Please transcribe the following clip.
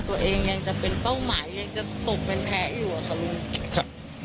ตัวเองยังจะเป็นเป้าหมายยังจะตกเป็นแพ้อยู่อะค่ะลูกครับ